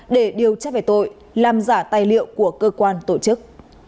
để điều tra về tội làm giả tài liệu của cơ quan tổ chức